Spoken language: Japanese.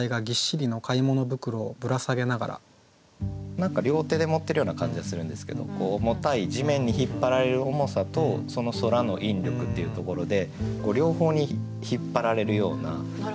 何か両手で持ってるような感じがするんですけど重たい地面に引っ張られる重さとその空の引力っていうところで両方に引っ張られるような背筋が伸びるような。